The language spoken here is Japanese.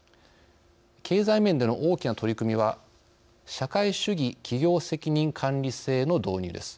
経済面での大きな取り組みは社会主義企業責任管理制の導入です。